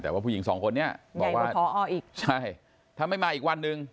ถ้าเธอไม่มานรองเรียนอีกวันนึง